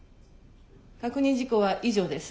確認事項は以上です。